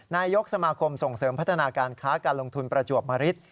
นายกสมาคมส่งเสริมพัฒนาการค้าการลงทุนประจวบมริต